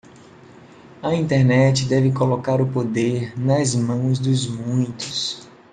A Internet deve colocar o poder nas mãos dos muitos